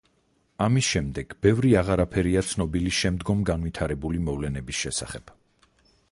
ამის შემდეგ, ბევრი აღარაფერია ცნობილი შემდგომ განვითარებული მოვლენების შესახებ.